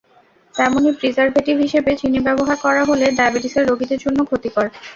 তেমনি প্রিজারভেটিভ হিসেবে চিনি ব্যবহার করা হলে ডায়াবেটিসের রোগীদের জন্য ক্ষতিকর।